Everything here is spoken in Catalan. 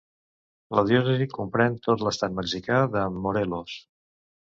La diòcesi comprèn tot l'estat mexicà de Morelos.